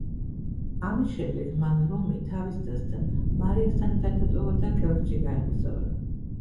ამის შემდეგ მან რომი თავის დასთან, მარიასთან ერთად დატოვა და კელნში გაემგზავრა.